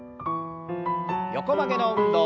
横曲げの運動。